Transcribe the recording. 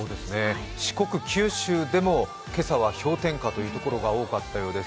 四国、九州でも今朝は氷点下というところが多かったようです。